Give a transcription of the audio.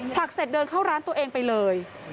ผลักเสร็จเดินเข้าร้านตัวเองไปเลย